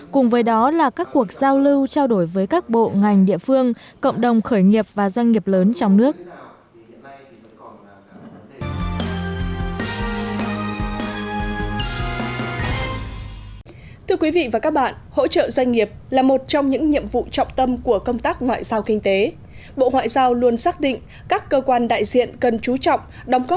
cùng với đó là các cuộc giao lưu trao đổi với các bộ ngành địa phương cộng đồng khởi nghiệp và doanh nghiệp lớn trong nước